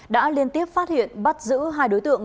đã liên tiếp phát hiện bắt giữ hai đối tượng